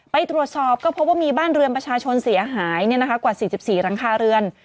ไปตรวจสอบก็พบว่ามีบ้านเรือนประชาชนเสียหายกว่า๔๔หลังคาเรือน